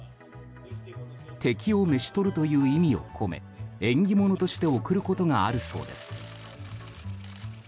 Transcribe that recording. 敵を召し捕るという意味を込め縁起物として贈ることがあるそうです。